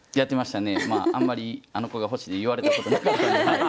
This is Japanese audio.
まああんまりあの子が欲しいって言われたことなかった。